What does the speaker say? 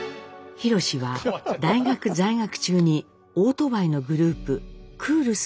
ひろしは大学在学中にオートバイのグループ「クールス」を結成します。